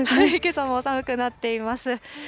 けさも寒くなっています。